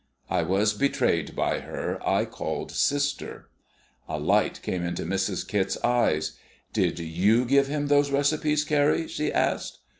I was betrayed by her I called sister! A light came into Mrs. Kit's eyes. "Did you give him those recipes, Carrie?" she asked.